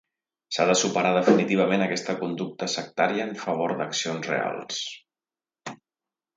S'ha de superar definitivament aquesta conducta sectària en favor d'accions reals.